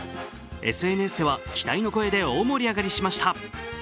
ＳＮＳでは期待の声で大盛り上がりしました。